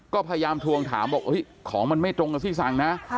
ก็พยายามทวงถามบอกของมันไม่ตรงกับที่สั่งนะ